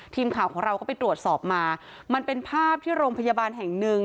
ทีมข่าวของเราก็ไปตรวจสอบมามันเป็นภาพที่โรงพยาบาลแห่งหนึ่ง